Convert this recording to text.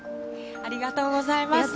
ありがとうございます。